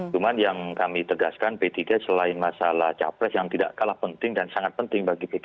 cuma yang kami tegaskan p tiga selain masalah capres yang tidak kalah penting dan sangat penting bagi p tiga